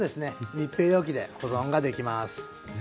密閉容器で保存ができます。